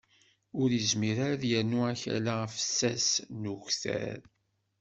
Ur yezmir ara ad yernu akala afessas n ukter.